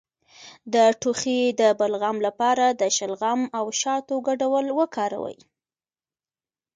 د ټوخي د بلغم لپاره د شلغم او شاتو ګډول وکاروئ